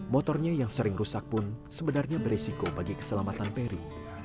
motornya yang sering rusak pun sebenarnya beresiko bagi keselamatan peri